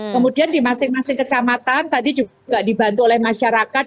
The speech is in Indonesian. kemudian di masing masing kecamatan tadi juga dibantu oleh masyarakat